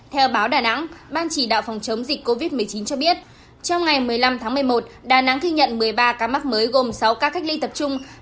theo báo đà nẵng ban chỉ đạo phòng chống dịch covid một mươi chín cho biết trong ngày một mươi năm tháng một mươi một đà nẵng ghi nhận một mươi ba ca mắc mới gồm sáu ca cách ly tập trung